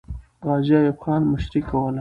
غازي ایوب خان مشري کوله.